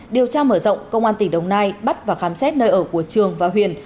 điều tra mở rộng công an tỉnh đồng nai bắt và khám xét nơi ở của trường và huyền